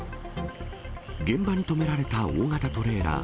現場に止められた大型トレーラー。